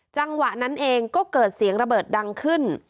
จังหวะนั้นเองก็เกิดเสียงระเบิดดังขึ้น